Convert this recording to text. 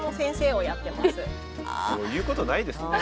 もう言うことないですね。